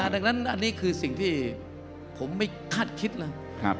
ดังนั้นอันนี้คือสิ่งที่ผมไม่คาดคิดเลย